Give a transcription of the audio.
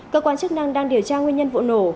cơ quan chức năng đang điều tra nguyên nhân vụ nổ